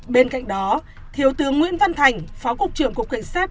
bên cạnh đó thiếu tướng nguyễn văn thành phó cục trưởng cục quyền sát